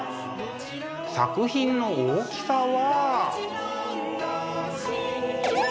作品の大きさは。